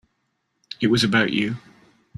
It was about you.